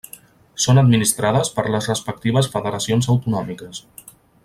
Són administrades per les respectives federacions autonòmiques.